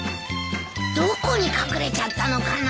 どこに隠れちゃったのかな。